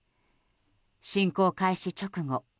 侵攻開始直後